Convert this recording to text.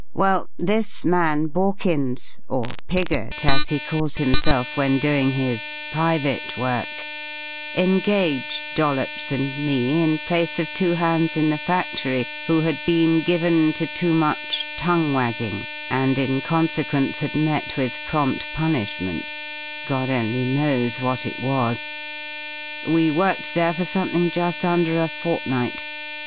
"Well, this man Borkins or Piggott, as he calls himself when doing his 'private work' engaged Dollops and me, in place of two hands in the factory who had been given to too much tongue wagging, and in consequence had met with prompt punishment, God alone knows what it was! We worked there for something just under a fortnight.